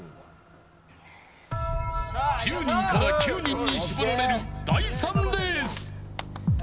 １０人から９人に絞られる第３レース。